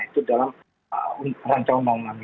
itu dalam rancang umum